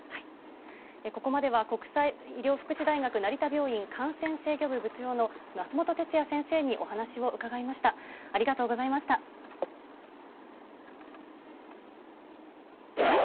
ここまでは国際医療福祉大学成田病院感染制御部部長の松本哲哉先生にお話を伺いました。